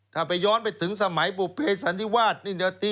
ถ้าย้อนไปถึงสมัยบุพเพศธรรษฐิวาธิ